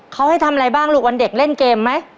เขาให้ทำอะไรบ้างลูกวันเด็กเล่นเกมไหม